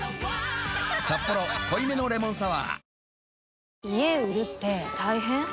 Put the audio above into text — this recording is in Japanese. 「サッポロ濃いめのレモンサワー」